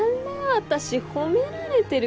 私褒められてる？